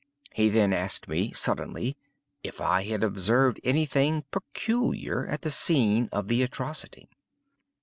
He then asked me, suddenly, if I had observed any thing peculiar at the scene of the atrocity.